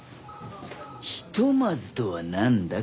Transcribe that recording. ひとまずとはなんだ？